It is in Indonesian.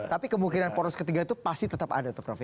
tapi kemungkinan poros ketiga itu pasti tetap ada tuh prof ya